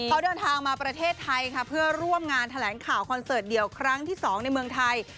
เขาเดินทางมาประเทศไทยค่ะเพื่อร่วมงานแถลงข่าวคอนเสิร์ตเดี่ยวครั้งที่๒ในเมืองไทย